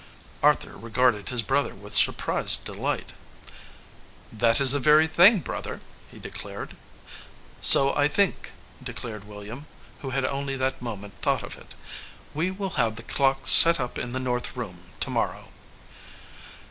Arthur regarded his brother with surprised de light. "That is the very thing, brother," he declared. "So I think," declared William, who had only that moment thought of it. "We will have the clock set up in the north room to morrow."